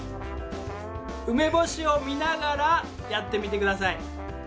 梅干しを見ながらやってみて下さい。